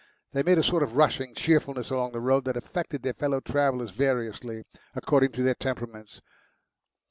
They made a sort of rushing cheerfulness along the road that affected their fellow travellers variously, according to their temperaments.